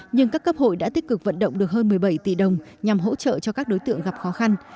nhưng các cấp hội đã tích cực vận động được hơn một mươi bảy tỷ đồng nhằm hỗ trợ cho các đối tượng gặp khó khăn